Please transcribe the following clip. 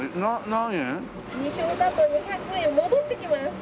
何円？２勝だと２００円戻ってきます。